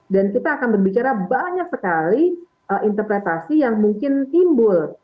dan kita akan berbicara banyak sekali interpretasi yang mungkin timbul